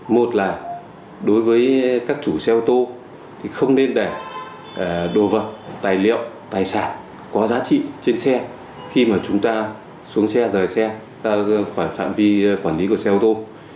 một là đối với các chủ xe ô tô thì không nên để đồ vật tài liệu tài sản có giá trị trên xe khi mà chúng ta xuống xe rời xe khỏi phạm vi quản lý của xe ô tô